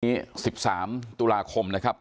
นี้๑๓ตุลาคมนะครับ